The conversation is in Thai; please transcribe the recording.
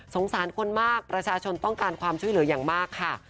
สารคนมากประชาชนต้องการความช่วยเหลืออย่างมากค่ะ